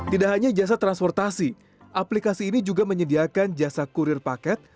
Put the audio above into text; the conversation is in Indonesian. tidak hanya jasa transportasi aplikasi ini juga menyediakan jasa kurir paket